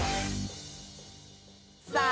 さあ